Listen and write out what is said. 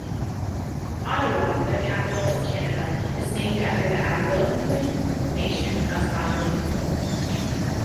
Ottawa, the capital of Canada, is named after an Algonquian nation, the Odawa people.